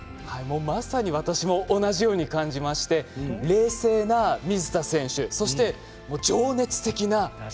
まさに私も同じように感じまして冷静な水田選手そして、情熱的なお母さん。